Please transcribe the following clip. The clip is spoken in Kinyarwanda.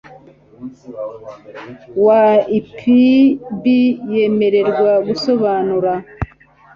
wa ipb yemererwa gusobanura